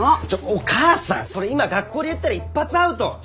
ちょっお母さんそれ今学校で言ったら一発アウト。